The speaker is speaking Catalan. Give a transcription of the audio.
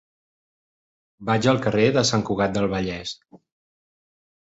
Vaig al carrer de Sant Cugat del Vallès.